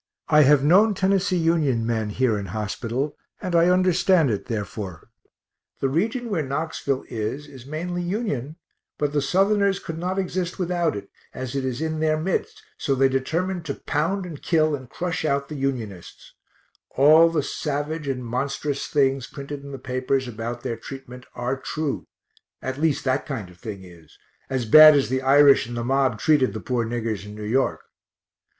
I have known Tennessee Union men here in hospital, and I understand it, therefore the region where Knoxville is is mainly Union, but the Southerners could not exist without it, as it is in their midst, so they determined to pound and kill and crush out the Unionists all the savage and monstrous things printed in the papers about their treatment are true, at least that kind of thing is, as bad as the Irish in the mob treated the poor niggers in New York.